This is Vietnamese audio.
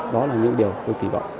đó là những điều tôi kỳ vọng